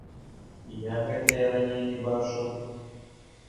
І як гэта я раней не бачыў.